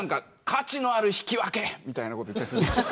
価値のある引き分けみたいなことを言ったりする。